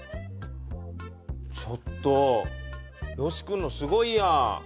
ちょっとよし君のすごいやん。